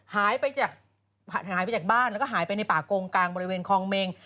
หายไปจากบ้านและก็หายไปในป่าโกงกลางบริเวณคองเมง